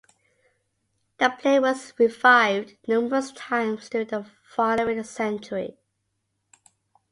The play was revived numerous times during the following century.